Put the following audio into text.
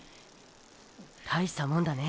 大したもんだねえ